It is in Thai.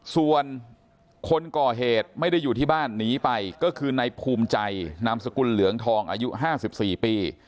ส่วนคนก่อเหตุไม่ได้อยู่ที่บ้านหนีไปก็คือในภูมิใจนามสกุลเหลืองทองอายุ๕๔ปี